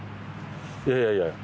いやいやいや。